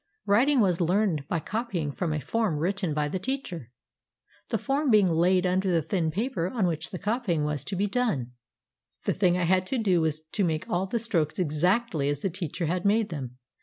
Writing was learned by copying from a form written by the teacher; the form being laid under the thin paper on which the copying was to be done. The thing I had to do was to make all the strokes exactly as the teacher had made them.